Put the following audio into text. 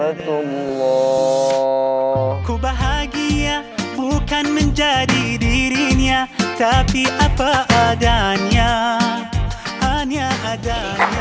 akumu bahagia bukan menjadi dirinya tapi apa adanya hanya ada